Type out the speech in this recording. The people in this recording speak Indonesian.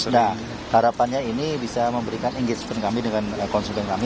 nah harapannya ini bisa memberikan engagement kami dengan konsumen kami